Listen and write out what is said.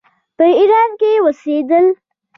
په ایران کې اوسېدل.